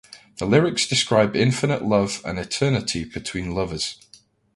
The lyrics describes infinite love and eternity between lovers.